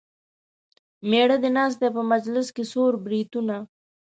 مېړه دې ناست دی په مجلس کې څور بریتونه.